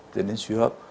dẫn đến suy hợp